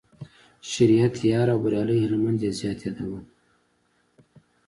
شریعت یار او بریالي هلمند یې زیات یادول.